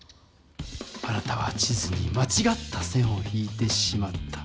あなたは地図にまちがった線を引いてしまった。